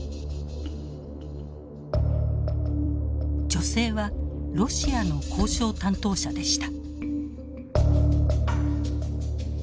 女性はロシアの交渉担当者でした。